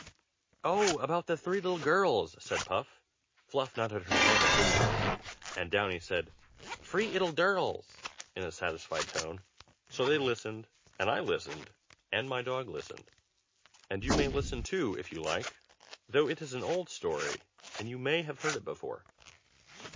"Oh! about the three little girls!" said Puff. Fluff nodded her head approvingly, and Downy said "Free ittle dirls!" in a satisfied tone. So they listened, and I listened, and my dog listened. And you may listen, too, if you like, though it is an old story, and you may have heard it before.